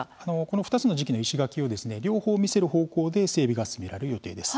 ２つの時期の石垣を両方見せる方向で整備が進められる予定です。